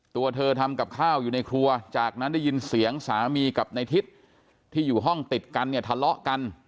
ตัวเธอทำกับข้าวอยู่ในครัวจากนั้นได้ยินเสียงสามีกับในทิศที่อยู่ห้องติดกันเนี่ยทะเลาะกัน